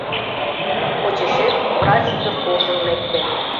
Почешем врач ӱдыр куржын лекте.